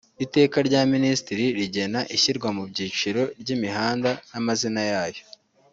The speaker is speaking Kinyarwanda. Iteka rya Minisitiri rigena ishyirwa mu byiciro ry’imihanda n’amazina yayo;